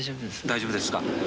大丈夫ですか？